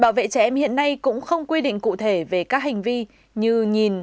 nhìn nhìn nhìn nhìn nhìn nhìn nhìn